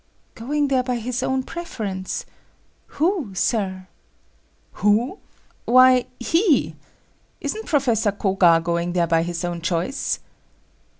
"Going there by his own preference? Who, Sir?" "Who? Why, he! Isn't Professor Koga going there by his own choice?"